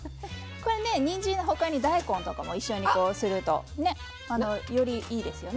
これね、にんじんのほかに大根とかを一緒にやるとよりいいですよね。